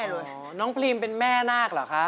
เป็นเรื่องราวของแม่นาคกับพี่ม่าครับ